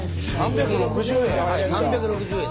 ３６０円！